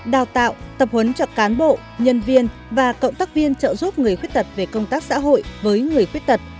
đào tạo tập huấn cho cán bộ nhân viên và cộng tác viên trợ giúp người khuyết tật về công tác xã hội với người khuyết tật